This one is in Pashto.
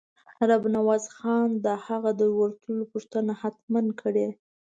رب نواز خان د هغه د ورتلو پوښتنه حتماً کړې.